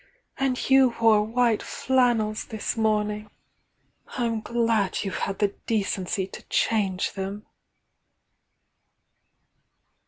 — and you wore white flannels this morning! — J ™ glad you've had the decency to change them!"